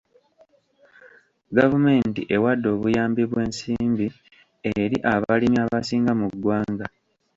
Gavumenti ewadde obuyambi bw'ensimbi eri abalimi abasinga mu ggwanga.